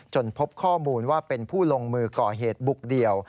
พบข้อมูลว่าเป็นผู้ลงมือก่อเหตุบุกเดี่ยว